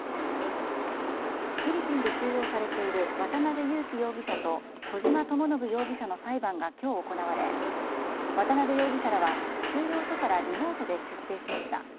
フィリピンで収容されている渡辺優樹容疑者と小島智信容疑者の裁判が今日行われ、渡辺容疑者らは収容所からリモートで出廷しました。